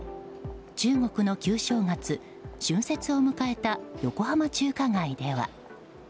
中国の旧正月・春節を迎えた横浜中華街では。